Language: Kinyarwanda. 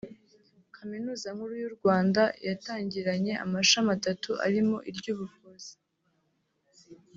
Kaminuza Nkuru y’u Rwanda yatangiranye amashami atatu arimo iry’ubuvuzi